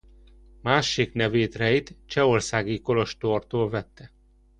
Másik nevét Rheit csehországi kolostortól vette.